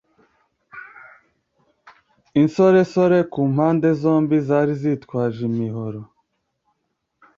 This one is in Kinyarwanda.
Insoresore ku mpande zombi zari zitwaje imihoro